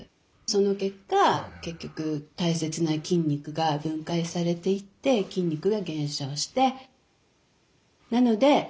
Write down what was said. その結果結局大切な筋肉が分解されていって筋肉が減少して。